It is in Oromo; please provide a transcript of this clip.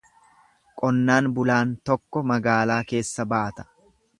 Qonnaan bulaan tokko magaalaa keessa baata.